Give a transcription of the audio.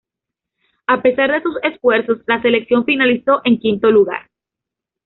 A pesar de sus esfuerzos, la selección finalizó en quinto lugar.